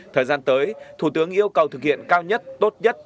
thời gian tới thủ tướng yêu cầu thực hiện cao nhất tốt nhất